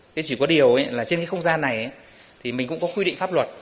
thế chỉ có điều là trên cái không gian này thì mình cũng có quy định pháp luật